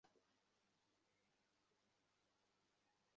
মামা তাঁকে বললেন, তোমার কারণে আমার ধন-সম্পদে অনেক বরকত হয়েছে।